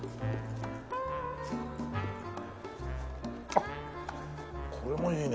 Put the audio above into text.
あっこれもいいね。